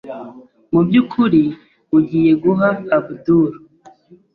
Mubyukuri ugiye guha Abdul?